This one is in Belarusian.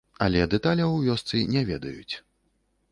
Але дэталяў у вёсцы не ведаюць.